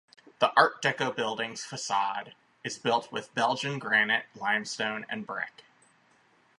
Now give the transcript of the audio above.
The Art Deco building's facade is built with Belgian granite, limestone, and brick.